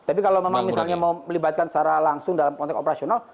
tapi kalau memang misalnya mau melibatkan secara langsung dalam konteks operasional